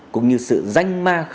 cũng như sự danh ma